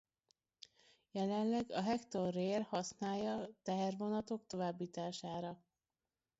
Jelenleg a Hector Rail használja tehervonatok továbbítására.